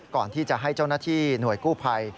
ก่อนที่จะให้เจ้าหน้าที่หน่วยกู้ภัย